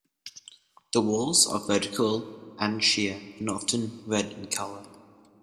The walls are vertical and sheer, and often red in color.